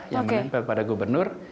yang menempel pada gubernur